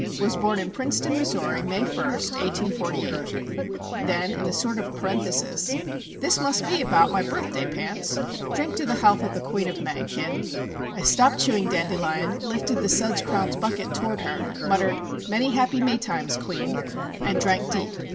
Was born in Princeton, Missouri, May first, 1848." Then, in a sort of parenthesis: "This must be about my birthday, Pants. Drink to the health of the Queen of May, kid." I stopped chewing dandelion, lifted the suds crowned bucket toward her, muttered "Many happy Maytimes, Queen," and drank deep.